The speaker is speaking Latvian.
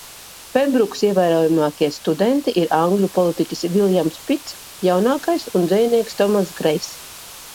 Pembrukas ievērojamākie studenti ir angļu politiķis Viljams Pits Jaunākais un dzejnieks Tomass Grejs.